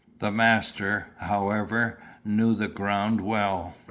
The master, however, knew the ground well.